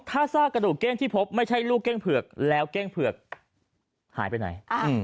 ถ้าซากกระดูกเก้งที่พบไม่ใช่ลูกเก้งเผือกแล้วเก้งเผือกหายไปไหน